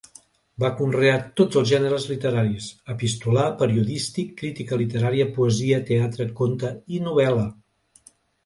Va conrear tots els gèneres literaris: epistolar, periodístic, crítica literària, poesia, teatre, conte i novel·la.